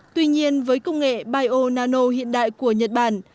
tuy nhiên với công nghệ bio nano hiện đại của nhật bản